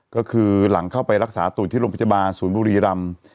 ก็คือหลังเข้าไปรักษาตัวอยู่ที่โรงพยาบาลศูนย์บุรีรำ